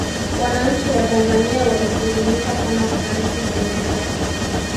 wananchi wa tanzania walihuzunika sana kufariki kwa nyerere